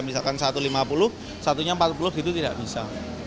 misalkan satu rp lima puluh satunya rp empat puluh itu tidak bisa